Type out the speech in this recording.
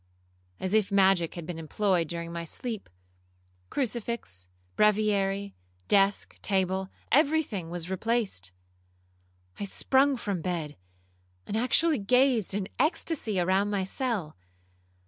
As if magic had been employed during my sleep, crucifix, breviary, desk, table, every thing was replaced. I sprung from bed, and actually gazed in extasy around my cell.